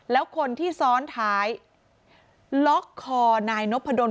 แล้วคนที่ซ้อนท้ายล็อกคอนายนพดล